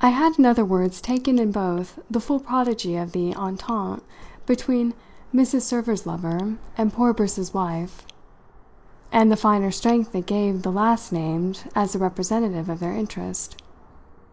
I had in other words taken in both the full prodigy of the entente between Mrs. Server's lover and poor Briss's wife, and the finer strength it gave the last named as the representative of their interest.